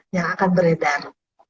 yang akan beredar